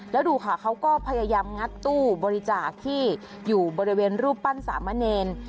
แล้วดูค่ะเขาก็พยายามงัดตู้บริจาคที่อยู่บริเวณรูปปั้นสามะเนร